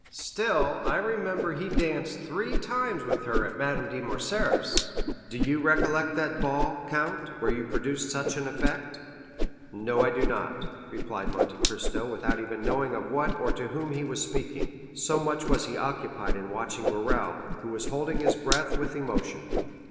Still I remember he danced three times with her at Madame de Morcerf's. Do you recollect that ball, count, where you produced such an effect?" 50121m "No, I do not," replied Monte Cristo, without even knowing of what or to whom he was speaking, so much was he occupied in watching Morrel, who was holding his breath with emotion.